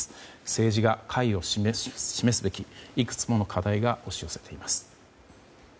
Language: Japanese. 政治が解を示すべきいくつもの課題が押し寄せています。